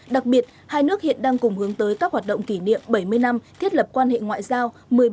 đặc biệt hai nước hiện đang cùng hướng tới các hoạt động kỷ niệm bảy mươi năm thiết lập quan hệ ngoại giao